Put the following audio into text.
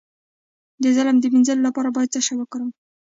د ظلم د مینځلو لپاره باید څه شی وکاروم؟